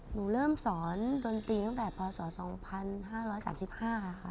หนูเริ่มสอนศีลสหรภาคป๋อศก๒๕๓๕ฮะ